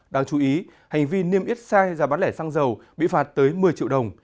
đáng chú ý hành vi niêm yết sai ra bán lẻ xăng dầu bị phạt tới một mươi triệu đồng